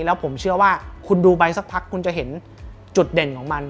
แล้วผมเชื่อว่าคุณดูไปสักพักคุณจะเห็นจุดเด่นของมัน